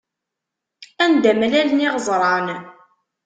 Anda mlalen yiɣeẓṛan.